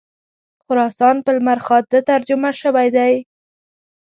خراسان په لمرخاته ترجمه شوی دی.